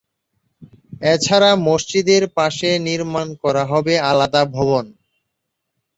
এছাড়া মসজিদের পাশে নির্মাণ করা হবে আলাদা ভবন।